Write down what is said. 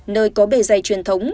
nơi có bề dày truyền thống